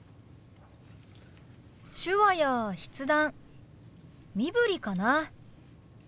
手話や筆談身振りかな。